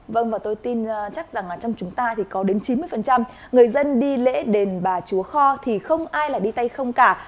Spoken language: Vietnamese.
vâng và tôi tin chắc rằng là trong chúng ta thì có đến chín mươi người dân đi lễ đền bà chúa kho thì không ai là đi tay không cả